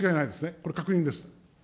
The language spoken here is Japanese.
これ、確認です。